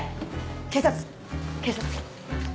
警察警察。